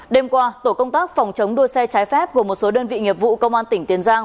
đêm qua tổ công tác phòng chống đua xe trái phép gồm một số đơn vị nghiệp vụ công an tỉnh tiền giang